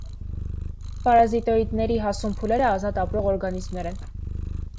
Պարազիտոիդների հասուն փուլերը ազատ ապրող օրգանիզմներ են։